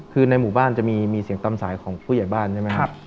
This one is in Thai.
คือในหมู่บ้านจะมีเสียงตามสายของผู้ใหญ่บ้านใช่ไหมครับ